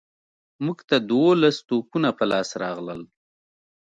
موږ ته دوولس توپونه په لاس راغلل.